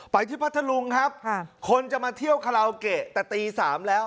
ไปที่พัทธรุงครับค่ะคนจะมาเที่ยวแต่ตีสามแล้ว